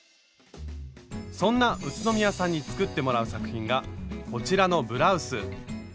そんな宇都宮さんに作ってもらう作品がこちらのブラウス。